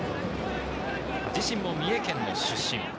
自身も三重県の出身。